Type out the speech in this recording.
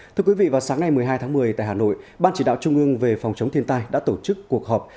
thưa quý vị vào sáng nay một mươi hai tháng một mươi tại hà nội ban chỉ đạo trung ương về phòng chống thiên tai đã tổ chức cuộc họp